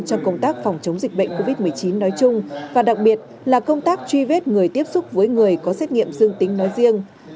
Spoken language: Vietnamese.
trong công tác phòng chống dịch bệnh covid một mươi chín nói chung và đặc biệt là công tác truy vết người tiếp xúc với người có xét nghiệm dương tính nói riêng